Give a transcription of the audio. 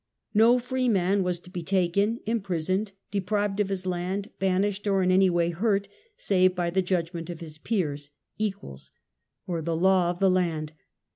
No free man was to be taken, imprisoned, deprived of his land, banished, or in any way hurt, save by the judgment of his peers (equals) or the law of the land.